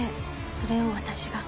それを私が。